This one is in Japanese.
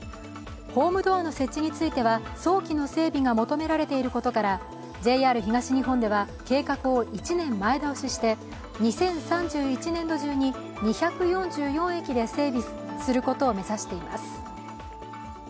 ホームドアの設置については、早期の整備が求められていることからＪＲ東日本では計画を１年前倒しして２０３１年度中に２４４駅で整備することを目指しています。